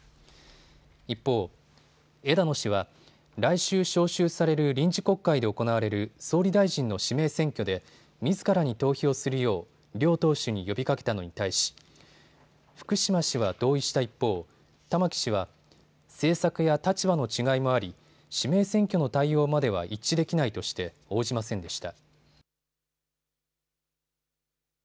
一方、枝野氏は来週、召集される臨時国会で行われる総理大臣の指名選挙でみずからに投票するよう両党首に呼びかけたのに対し福島氏は同意した一方、玉木氏は政策や立場の違いもあり指名選挙の対応までは一致できないとして応じませんでした。